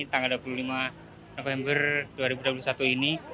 tanggal dua puluh lima november dua ribu dua puluh satu ini